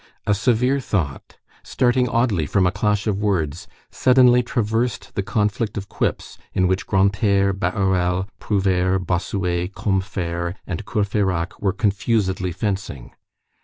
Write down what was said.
A severe thought, starting oddly from a clash of words, suddenly traversed the conflict of quips in which Grantaire, Bahorel, Prouvaire, Bossuet, Combeferre, and Courfeyrac were confusedly fencing.